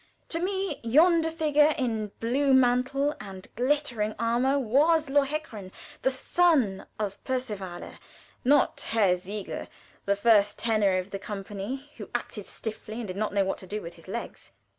To me, yonder figure in blue mantle and glittering armor was Lohengrin, the son of Percivale, not Herr Siegel, the first tenor of the company, who acted stiffly, and did not know what to do with his legs.